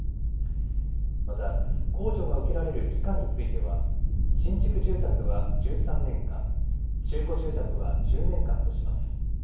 また、控除が受けられる期間については新築住宅は１３年間、中古住宅は１０年間とします。